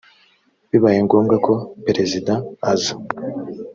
bibaye ngombwa ko perezidaaza